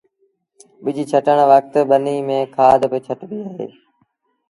ٻج ڇٽڻ وکت ٻنيٚ ميݩ کآڌ با ڇٽبيٚ اهي